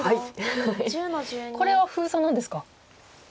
これは封鎖なんですか？